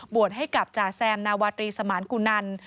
ให้กับจ่าแซมนาวาตรีสมานกุนัน